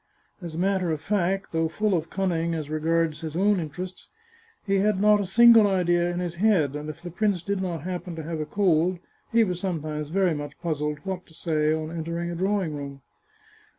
As a matter of fact, though full of cunning as re garded his own interests, he had not a single idea in his head, and if the prince did not happen to have a cold, he was sometimes very much puzzled what to say on entering a drawing room.